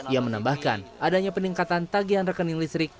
ia menambahkan adanya peningkatan tagihan rekening listrik